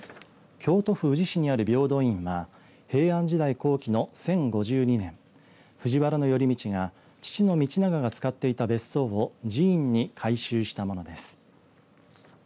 京都府宇治市にある平等院は平安時代後期の１０５２年藤原頼通が父の道長が使っていた別荘を寺院に改修したものです。